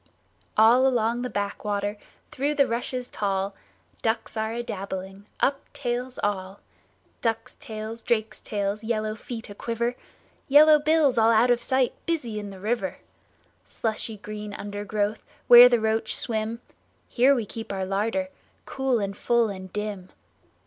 All along the backwater, Through the rushes tall, Ducks are a dabbling, Up tails all! Ducks' tails, drakes' tails, Yellow feet a quiver, Yellow bills all out of sight Busy in the river! Slushy green undergrowth Where the roach swim— Here we keep our larder, Cool and full and dim.